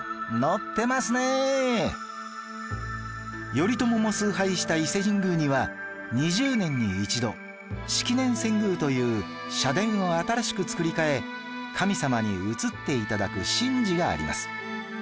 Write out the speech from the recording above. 頼朝も崇拝した伊勢神宮には２０年に一度式年遷宮という社殿を新しく造り替え神様にうつって頂く神事があります